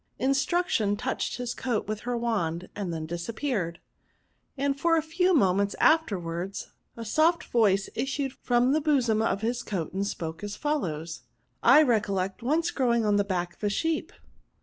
Instruction touched his coat with her wand, and then disappeared ; and a few moments afterwards a soft voice issued from the bosom of his coat and spoke as follows :—I recollect once growing on the back of a sheep."